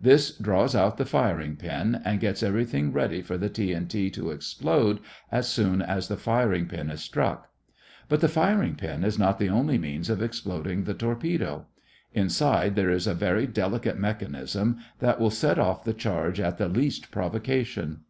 This draws out the firing pin and gets everything ready for the TNT to explode as soon as the firing pin is struck. But the firing pin is not the only means of exploding the torpedo. Inside there is a very delicate mechanism that will set off the charge at the least provocation.